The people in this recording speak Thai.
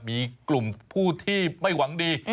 มีกลุ่มผู้ที่ไม่หวังดี